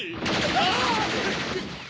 あっ！